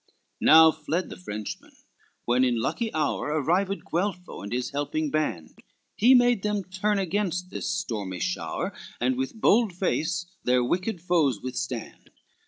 LV Now fled the Frenchmen, when in lucky hour Arrived Guelpho, and his helping band, He made them turn against this stormy shower, And with bold face their wicked foes withstand.